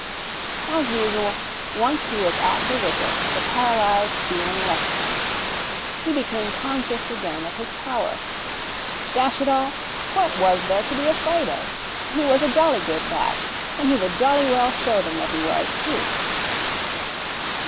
As usual, once he was at the wicket the paralysed feeling left him. He became conscious again of his power. Dash it all, what was there to be afraid of? He was a jolly good bat, and he would jolly well show them that he was, too.